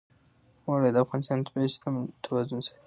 اوړي د افغانستان د طبعي سیسټم توازن ساتي.